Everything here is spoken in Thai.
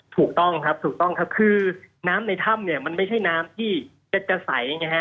ถูกต้องครับถูกต้องครับคือน้ำในถ้ำเนี่ยมันไม่ใช่น้ำที่จะใสไงฮะ